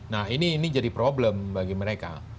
nah ini jadi problem bagi mereka